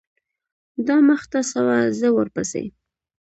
دا مخته سوه زه ورپسې.